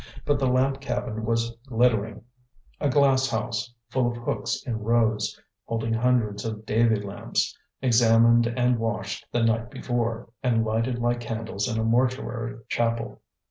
But the lamp cabin was glittering a glass house, full of hooks in rows, holding hundreds of Davy lamps, examined and washed the night before, and lighted like candles in a mortuary chapel.